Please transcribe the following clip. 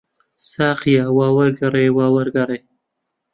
ساقییا، وا وەرگەڕێ، وا وەرگەڕێ!